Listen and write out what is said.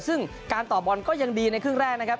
ซึ่งการต่อบอลก็ยังดีในครึ่งแรกนะครับ